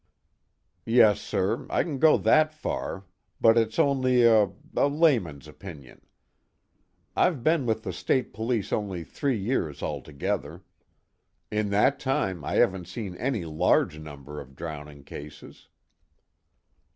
"Yes, sir, I can go that far, but it's only a a layman's opinion. I've been with the state police only three years altogether. In that time I haven't seen any large number of drowning cases."